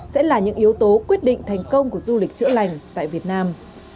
sẽ là những yếu tố quyết định thành công của du lịch chữa lành tại việt nam